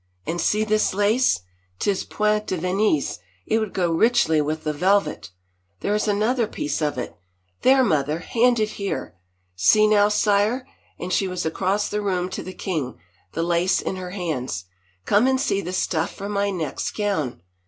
And see this lace! Tis point de Venise — it would go richly with the velvet. ... There is another piece of it — there, mother, hand it here. ... See now, sire," and she was across the room to the king, the lace in her hands. " Come and see the stuff for my next gown.